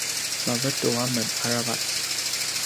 mavetu amen aravac